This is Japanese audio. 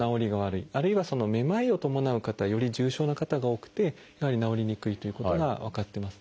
あるいはめまいを伴う方はより重症な方が多くてやはり治りにくいということが分かってます。